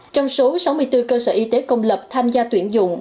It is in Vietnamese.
trong số sáu mươi bốn cơ sở y tế công lập tham gia tuyển dụng